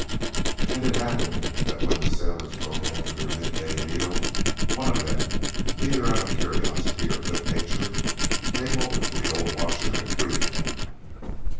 And it happened that when the sailors broke off for their mid day meal, one of them, either out of curiosity or good nature, came over to the old watcher and greeted him.